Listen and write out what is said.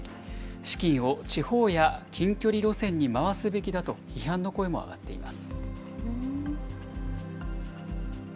資金を地方や近距離路線に回すべきだと、批判の声も上がっています。